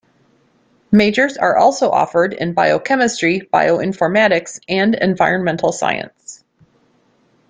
Majors are also offered in Biochemistry, Bioinformatics, and Environmental Science.